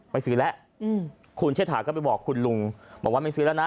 ไปซื้อแล้วคุณเชษฐาก็ไปบอกคุณลุงบอกว่าไม่ซื้อแล้วนะ